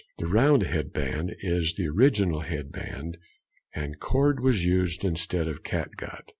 The round head band is the original head band, and cord was used instead of cat gut.